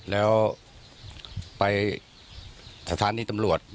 แล้วไปสถานีตำรวจ